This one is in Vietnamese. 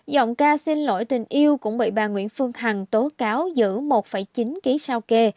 giọng ca xin lỗi tình yêu cũng bị bà nguyễn phương hằng tố cáo giữ một chín ký sao kê